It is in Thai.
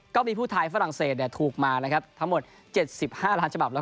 ก็มีผู้ท้ายฝรั่งเศสทูกมาทั้งหมด๗๕ล้านฉบับ